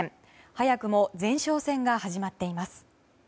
早くも前哨戦が始まっています。